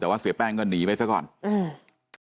แต่ว่าเสียแป้งก็หนีไปซะก่อนอืม